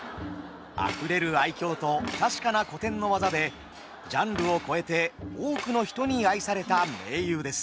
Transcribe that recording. あふれる愛嬌と確かな古典の技でジャンルを超えて多くの人に愛された名優です。